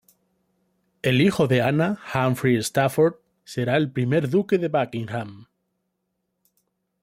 El hijo de Ana, Humphrey Stafford, será el I duque de Buckingham.